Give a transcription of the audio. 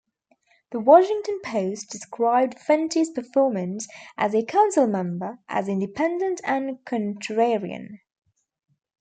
"The Washington Post" described Fenty's performance as a Council member as "independent" and "contrarian".